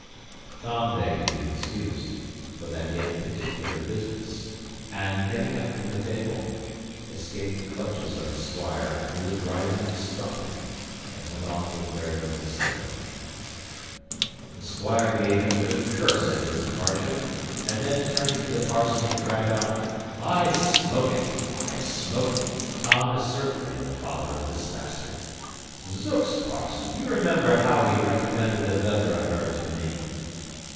Tom begged to be excused, for that he had particular business; and getting up from table, escaped the clutches of the squire, who was rising to stop him, and went off with very little ceremony. The squire gave him a good curse at his departure; and then turning to the parson, he cried out, "I smoke it: I smoke it. Tom is certainly the father of this bastard. Zooks, parson, you remember how he recommended the veather o' her to me.